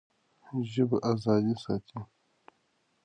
ژبه ازادي ساتي.